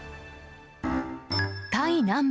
タイ南部、